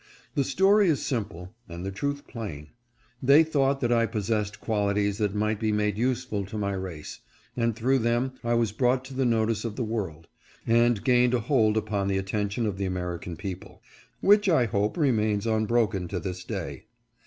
The story is simple, and the truth plain. They thought that I possessed qualities that might be made useful to my race, and through them I was brought to the notice of the world, and gained a hold upon the atten tion of the American people, which I hope remains un broken to this day.